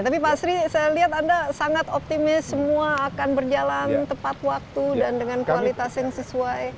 tapi pak sri saya lihat anda sangat optimis semua akan berjalan tepat waktu dan dengan kualitas yang sesuai